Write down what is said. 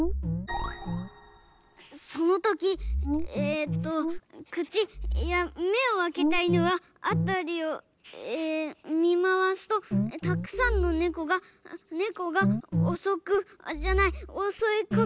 「そのときえっとくちいやめをあけたいぬはあたりをえみまわすとたくさんのねこがねこがおそくじゃないおそいかかろうと」。